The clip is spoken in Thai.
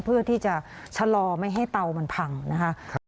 เพื่อที่จะชะลอไม่ให้เตามันพังนะคะ